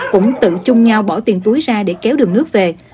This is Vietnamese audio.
cũng tự chung nhau bỏ tiền túi ra để kéo đường nước về